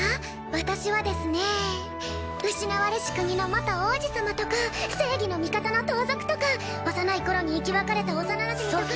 私はですね失われし国の元王子様とか正義の味方の盗賊とか幼い頃に生き別れた幼なじみとか。